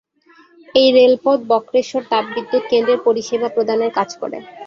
এই রেলপথ বক্রেশ্বর তাপবিদ্যুৎ কেন্দ্রের পরিষেবা প্রদানের কাজ করে।